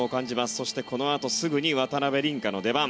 そして、このあとすぐに渡辺倫果の出番。